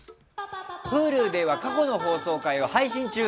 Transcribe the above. Ｈｕｌｕでは過去の放送回を配信中。